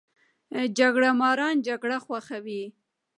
جګړه ماران جګړه خوښوي